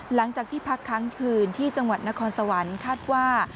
หลังจากที่พักค้างคืนที่จังหวัดนครสวรรค์คาดว่า